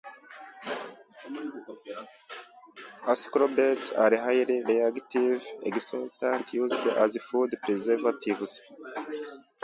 Ascorbates are highly reactive antioxidants used as food preservatives.